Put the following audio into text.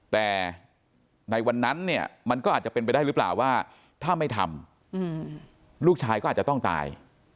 แต่ในวันนั้นเนี่ยมันก็อาจจะเป็นไปได้หรือเปล่าว่าถ้าไม่ทำลูกชายก็อาจจะต้องตาย